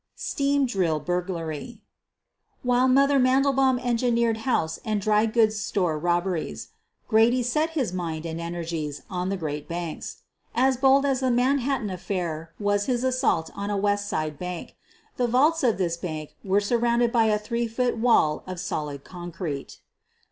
STEAM DRILL BURGLARY While " Mother' ' Mandelbaum engineered house and dry goods store robberies, Grady set his mind QUEEN OF THE BURGLARS 203 and energies on the great banks. As bold as the Manhattan affair was his assault on a West Side bank. The vaults of this bank were surrounded by a three foot wall of solid concrete.